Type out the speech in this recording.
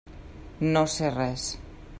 No sé res.